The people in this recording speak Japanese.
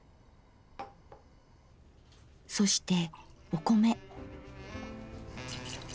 そしてお米。